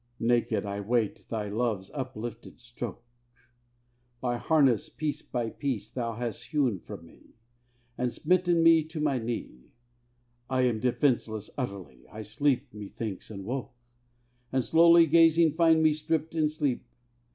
Naked I wait Thy love's uplifted stroke! My harness piece by piece Thou hast hewn from me, And smitten me to my knee; I am defenceless utterly. I slept, methinks, and woke, And, slowly gazing, find me stripped in sleep.